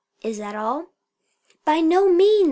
Is that all?" "By no means!"